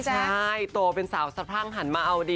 ใช่โตเป็นสาวสะพรั่งหันมาเอาดี